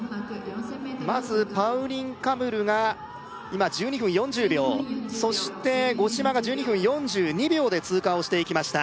まずパウリン・カムルが今１２分４０秒そして五島が１２分４２秒で通過をしていきました